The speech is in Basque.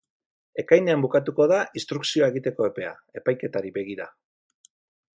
Ekainean bukatuko da instrukzioa egiteko epea, epaiketari begira.